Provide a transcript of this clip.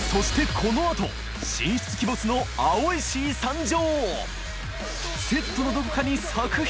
このあと神出鬼没のアオイシー参上！